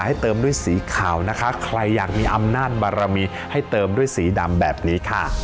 ให้เติมด้วยสีขาวนะคะใครอยากมีอำนาจบารมีให้เติมด้วยสีดำแบบนี้ค่ะ